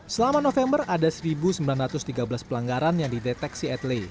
selama november ada satu sembilan ratus tiga belas pelanggaran yang dideteksi etle